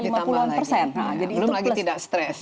ditambah lagi belum lagi tidak stres